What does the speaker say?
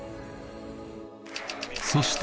そして